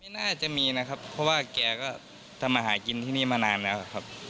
น่าจะมีนะครับเพราะว่าแกก็ทำมาหากินที่นี่มานานแล้วครับ